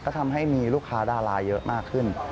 ก็ทำให้มีลูกค้าดาราเยอะมากขึ้น